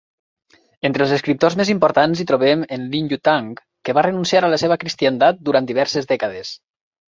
Entre els escriptors més importants hi trobem en Lin Yutang, que va renunciar a la seva cristiandat durant diverses dècades.